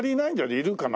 いるかな？